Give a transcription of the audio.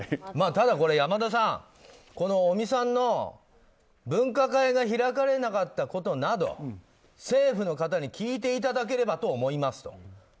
ただ、これ山田さん尾身さんの分科会が開かれなかったことなど政府の方に聞いていただければと思いますと。